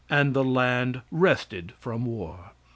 And the land rested from war."